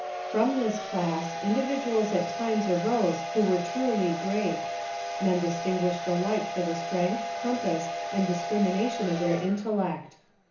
I'rom this class, individuals at times arose who were truly great — men distinguished alike for the strength, compass, and discrimination of their in tellect.